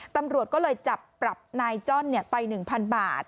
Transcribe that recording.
ตำรวจก็เลยจับปรับนายจ้อนไป๑๐๐บาท